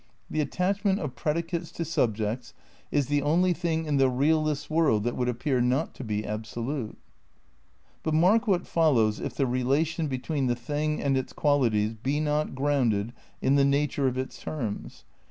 The attachment of predi cates to subjects is the only thing in the realists' world that would appear not to be absolute. But mark what follows if the relation between the thing and its qualities be not grounded in the nature of its terms.